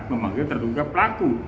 memanggil terduga pelaku